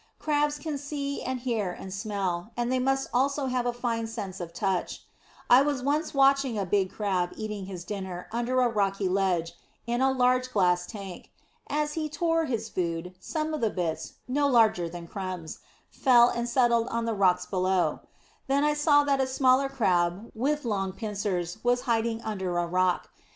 Crabs can see and hear and smell; and they must also have a fine sense of touch. I was once watching a big Crab eating his dinner under a rocky ledge in a large glass tank. As he tore his food, some of the bits, no larger than crumbs, fell and settled on the rocks below. Then I saw that a smaller Crab, with long pincers, was hiding under a rock.